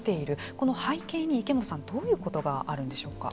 この背景に池本さんどういうことがあるんでしょうか。